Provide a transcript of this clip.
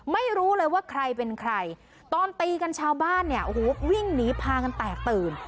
ไม่รู้เลยว่าใครเป็นใครตอนตีกันชาวบ้านเนี่ยโอ้โหวิ่งหนีพากันแตกตื่น